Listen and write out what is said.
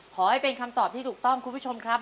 ขอให้เป็นคำตอบที่ถูกต้องคุณผู้ชมครับ